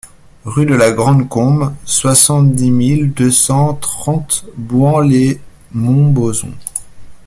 Rue de la Grand Combe, soixante-dix mille deux cent trente Bouhans-lès-Montbozon